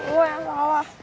gue yang salah